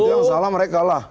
itu yang salah mereka lah